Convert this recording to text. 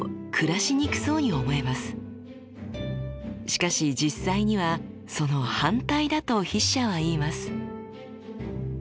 しかし実際にはその反対だと筆者は言います。